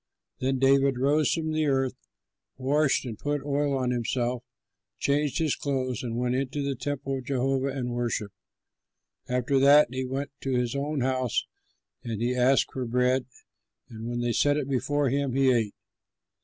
Then David rose from the earth, washed and put oil on himself, changed his clothes, and went into the temple of Jehovah and worshipped. After that he went to his own house; and he asked for bread, and when they set it before him, he ate.